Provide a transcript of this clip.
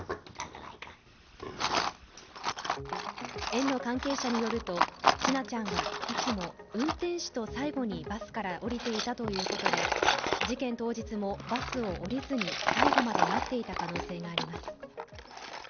園の関係者によると、千奈ちゃんはいつも運転手と最後にバスから降りていたということで事件当日もバスを降りずに最後まで待っていた可能性があります。